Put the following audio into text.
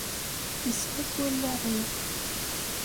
Isbek wallaɣ-iw.